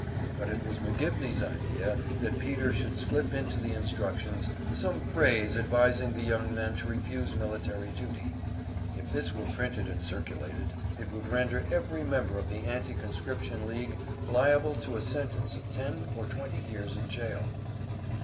But it was McGivney's idea that Peter should slip into the instructions some phrase advising the young men to refuse military duty; if this were printed and circulated, it would render every member of the Anti conscription League liable to a sentence of ten or twenty years in jail.